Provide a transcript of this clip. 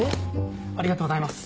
ありがとうございます。